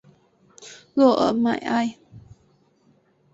洛尔迈埃。